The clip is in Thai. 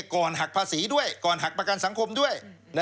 ก่อนหักภาษีด้วยก่อนหักประกันสังคมด้วย